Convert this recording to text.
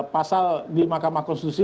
pasal di makam konstitusi